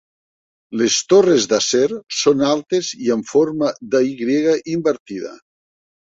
Les torres d'acer són altes i amb forma d'Y invertida.